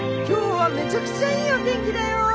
今日はめちゃくちゃいいお天気だよ。